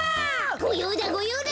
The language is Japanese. ごようだごようだ！